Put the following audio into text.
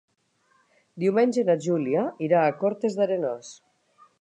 Diumenge na Júlia irà a Cortes d'Arenós.